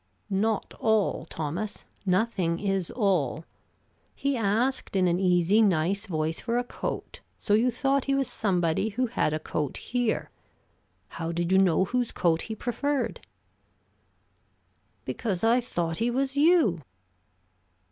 "Not all, Thomas: nothing is all. He asked in an easy, nice voice for a coat, so you thought he was somebody who had a coat here. How did you know whose coat he preferred?" "Because I thought he was you."